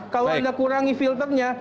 kalau anda kurangi filternya